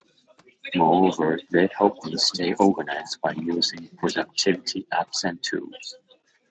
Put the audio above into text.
Moreover, they help me stay organized by using productivity apps and tools.